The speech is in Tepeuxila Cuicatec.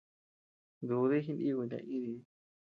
Dudi jiníkuy naídii.